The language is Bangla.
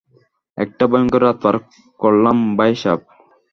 একটা ভয়ংকর রাত পার করলাম ভাইসাব।